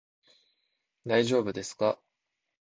大丈夫ですか？